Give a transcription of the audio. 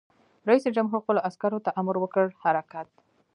رئیس جمهور خپلو عسکرو ته امر وکړ؛ حرکت!